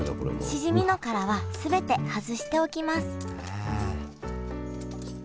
しじみの殻は全て外しておきますへえ！